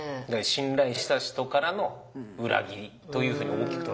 信頼した人からの裏切りというふうに大きく捉えると。